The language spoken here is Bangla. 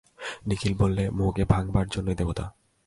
নিখিল বললে, মোহকে ভাঙবার জন্যেই দেবতা।